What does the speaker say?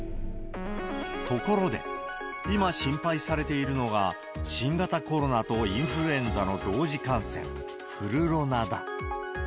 ところで、今心配されているのが、新型コロナとインフルエンザの同時感染、フルロナだ。